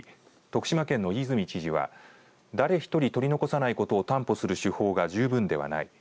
徳島県の飯泉知事は誰１人取り残さないことを担保する手法が十分ではない。